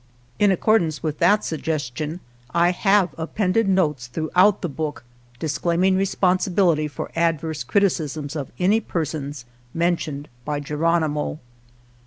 In accordance with that suggestion, I have appended notes throughout the book disclaiming responsibility for adverse criti cisms of any persons mentioned by Ge ronimo.